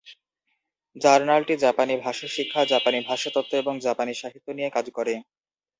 জার্নালটি জাপানি ভাষা শিক্ষা, জাপানি ভাষাতত্ত্ব এবং জাপানি সাহিত্য নিয়ে কাজ করে।